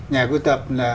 nhà sưu tập là